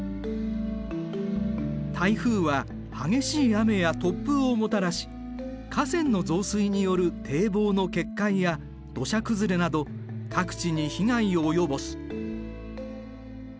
台風は激しい雨や突風をもたらし河川の増水による堤防の決壊や土砂崩れなど各地に被害を及ぼす。